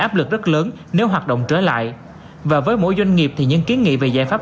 áp lực rất lớn nếu hoạt động trở lại và với mỗi doanh nghiệp thì những kiến nghị về giải pháp